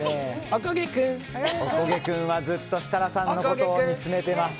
おこげ君はずっと設楽さんのことを見つめています。